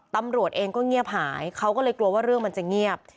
ตำรวจเองก็เงียบหายเขาก็เลยกลัวว่าเรื่องมันจะเงียบ